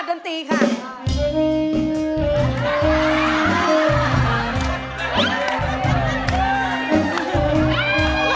พ่อเชื่อมันในตัวลูกพ่อได้